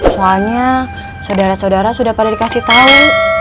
soalnya sodara sodara sudah pada dikasih tau